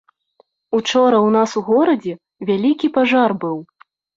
Учора ў нас у горадзе вялікі пажар быў.